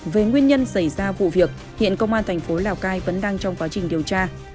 với nguyên nhân xảy ra vụ việc hiện công an tp lào cai vẫn đang trong quá trình điều tra